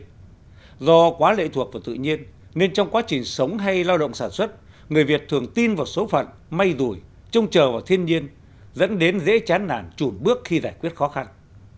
nhưng do quá lệ thuộc vào tự nhiên nên trong quá trình sống hay lao động sản xuất người việt thường tin vào số phận may rủi trông chờ vào thiên nhiên dẫn đến dễ chán nản trùn bước khi giải quyết khó khăn